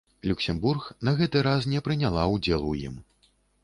Люксембург на гэты раз не прыняла ўдзел у ім.